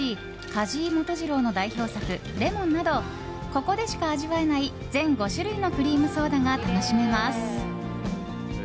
梶井基次郎の代表作「檸檬」などここでしか味わえない全５種類のクリームソーダが楽しめます。